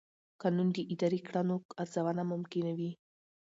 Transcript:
قانون د اداري کړنو ارزونه ممکنوي.